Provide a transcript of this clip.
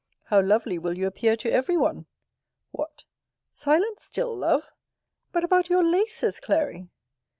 How lovely will you appear to every one! What! silent still, love? But about your laces, Clary?